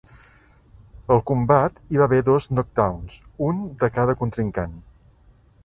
Al combat hi va haver dos "knockdowns", un de cada contrincant.